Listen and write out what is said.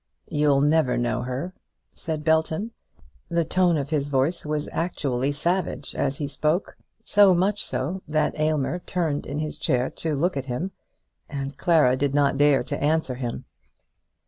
"You'll never know her," said Belton. The tone of his voice was actually savage as he spoke; so much so that Aylmer turned in his chair to look at him, and Clara did not dare to answer him.